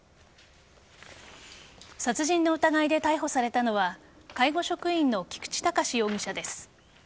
殺人の疑いで逮捕されたのは介護職員の菊池隆容疑者です。